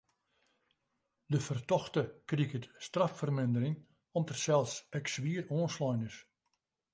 De fertochte kriget straffermindering om't er sels ek swier oanslein is.